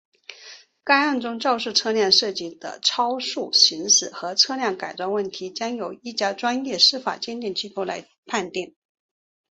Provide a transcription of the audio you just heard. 该案中肇事车辆涉及的超速行驶和车辆改装问题将由一家专业司法鉴定机构来判定。